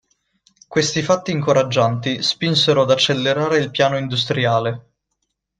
Questi fatti incoraggianti spingono ad accelerare il piano industriale.